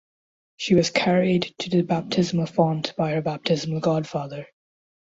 She was carried to the baptismal font by her baptismal godfather.